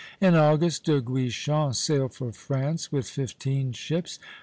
In August De Guichen sailed for France with fifteen ships.